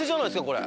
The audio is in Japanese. これ。